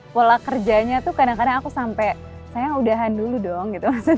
pola kerjanya tuh kadang kadang aku sampai saya udahan dulu dong gitu